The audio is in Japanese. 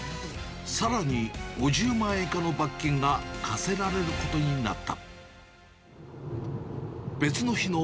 さらに５０万円以下の罰金が科せられることになった。